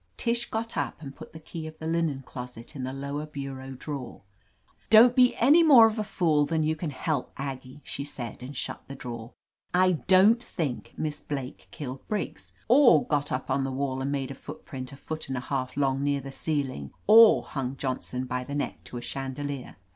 Tish got up and put the key of the IJnen closet in the lower bureau drawer. "Don't be any more of a fool than you can help, Aggie," she said, and shut the drawer. "I don't think Miss Blake killed Briggs, or got up on the wall and made a footprint a foot and a half long near the ceiling, or hung Johnson by the neck to a chandelier.